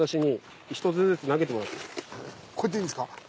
こうやっていいんですか。